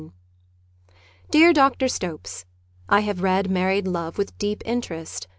Dear Dr. Stopes, I have read " Married Love " with deep interest.